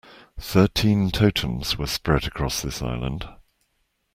Thirteen totems were spread across this island.